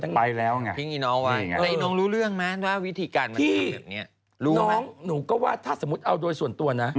น้องหนูก็ว่าถ้าสมมุติเอาโดยส่วนตัวนะ